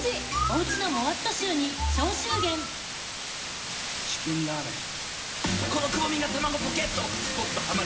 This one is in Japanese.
もうチキンラーメン。